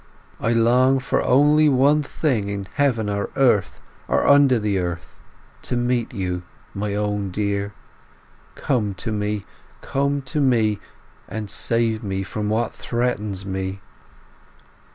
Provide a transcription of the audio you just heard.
I long for only one thing in heaven or earth or under the earth, to meet you, my own dear! Come to me—come to me, and save me from what threatens me!